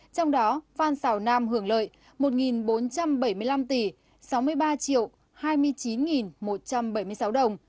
trong đó phan xào nam hưởng lợi một bốn trăm bảy mươi năm tỷ sáu mươi ba hai mươi chín một trăm bảy mươi sáu đồng